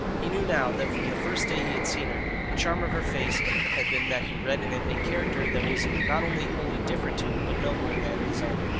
He knew now that from the first day he had seen her the charm of her face had been that he read in it a character that was not only wholly different to, but nobler than, his own.